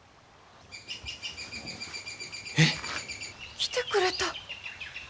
えっ？来てくれた。